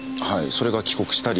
それが帰国した理由。